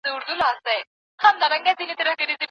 خوني پړانګ چي هر څه زور واهه تر شا سو